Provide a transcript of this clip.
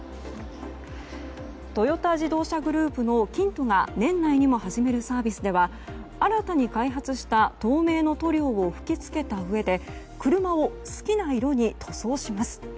トヨタ自動車グループのＫＩＮＴＯが年内にも始めるサービスでは新たに開発した透明の塗料を吹き付けたうえで車を好きな色に塗装します。